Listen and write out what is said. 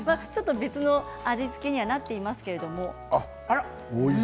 別の味付けにはなっていますけれども。